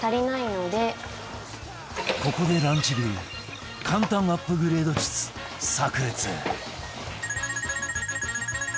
ここでランチ流簡単アップグレード術炸裂ええー！